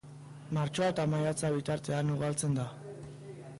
Martxoa eta maiatza bitartean ugaltzen da.